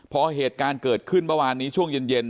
พอเหตุการณ์เกิดขึ้นเมื่อวานนี้ช่วงเย็น